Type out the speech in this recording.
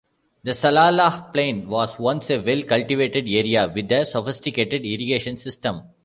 The Salalah plain was once a well cultivated area with a sophisticated irrigation system.